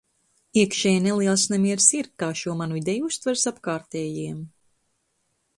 Iekšēji neliels nemiers ir, kā šo manu ideju uztvers apkārtējie.